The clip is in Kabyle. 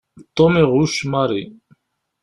Tom iɣucc Mary.